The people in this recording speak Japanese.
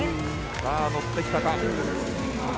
さあ、乗ってきたか。